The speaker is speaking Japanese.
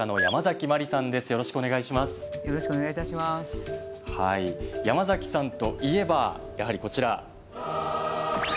ヤマザキさんといえばやはりこちら。